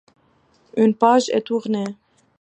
Une page est tournée.